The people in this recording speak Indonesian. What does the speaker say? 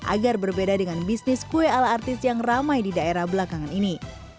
agar berbeda dengan bisnis kue ala artis yang ramai di daerah belakangan ini